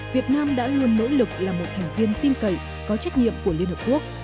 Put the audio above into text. việt nam đã luôn nỗ lực là một thành viên tin cậy có trách nhiệm của liên hợp quốc